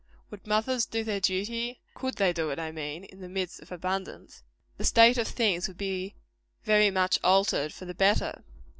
Would mothers do their duty could they do it, I mean, in the midst of abundance the state of things would be very much altered for the better.